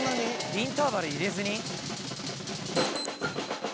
インターバル入れずに？